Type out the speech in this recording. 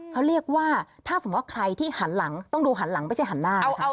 เขาเรียกว่าถ้าสมมุติว่าใครที่หันหลังต้องดูหันหลังไม่ใช่หันหน้า